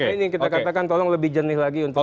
ini kita katakan tolong lebih jernih lagi